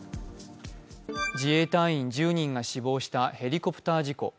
自衛隊員１０人が死亡したヘリコプター事故。